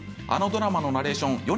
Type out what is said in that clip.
あのドラマのナレーション